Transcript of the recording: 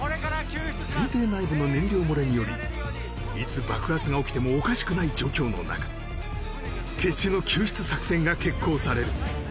船底内部の燃料漏れによりいつ爆発が起きてもおかしくない状況の中決死の救出作戦が決行される